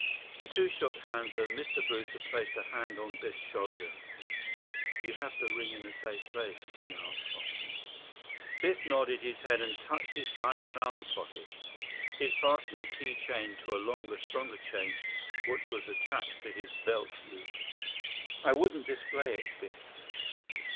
The two shook hands, and Mr. Brewster placed a hand on Biff's shoulder. "You have the ring in a safe place?" he asked softly. Biff nodded his head and touched his side trouser pocket. He had fastened the key chain to a longer, stronger chain which was attached to his belt loop. "I wouldn't display it, Biff."